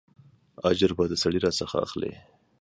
اجر به د سړي راڅخه اخلې.